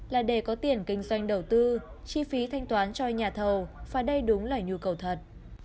là để có tiền kinh doanh đầu tư chi phí thanh toán cho nhà thầu và đây đúng là nhu cầu thật